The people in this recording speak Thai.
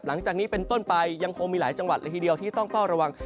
หลังจากนี้เป็นต้นไปยังคงมีหลายจังหวัดละทีเดียวที่ต้องเฝ้าระวัง